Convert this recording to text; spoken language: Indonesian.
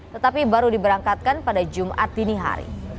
tetapi baru diberangkatkan pada jumat dini hari